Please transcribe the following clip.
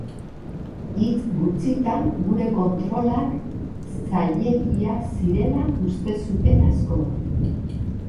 Hitz gutxitan, gure kontrolak zailegiak zirela uste zenuten askok.